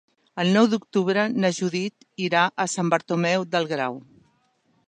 El nou d'octubre na Judit irà a Sant Bartomeu del Grau.